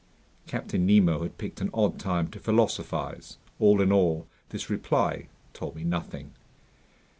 Captain Nemo had picked an odd time to philosophize. All in all, this reply told me nothing.